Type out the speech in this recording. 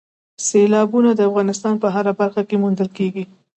سیلابونه د افغانستان په هره برخه کې موندل کېږي.